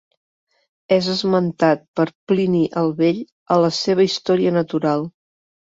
És esmentat per Plini el Vell a la seva Història natural.